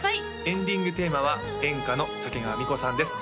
エンディングテーマは演歌の竹川美子さんです